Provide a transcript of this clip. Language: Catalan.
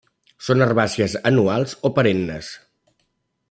Són herbàcies anuals o perennes.